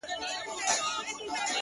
لـــكــه ښـــه اهـنـــگ ـ